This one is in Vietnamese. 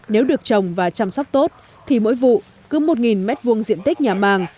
nếu được trồng và chăm sóc tốt thì mỗi vụ cứ một m hai diện tích nhà màng